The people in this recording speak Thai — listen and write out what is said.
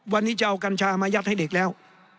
วันนี้จะเอากัญชามายัดให้เด็กแล้ว